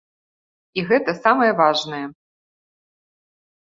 І гэта самае важнае.